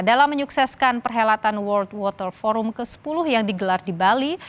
dalam menyukseskan perhelatan world water forum ke sepuluh yang digelar di bali